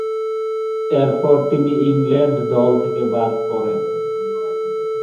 এরপর তিনি ইংল্যান্ড দল থেকে বাদ পড়েন।